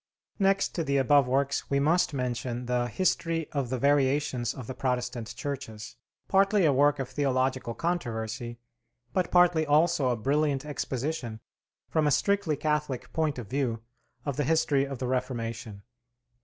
Next to the above works we must mention the 'History of the Variations of the Protestant Churches,' partly a work of theological controversy, but partly also a brilliant exposition, from a strictly Catholic point of view, of the history of the Reformation.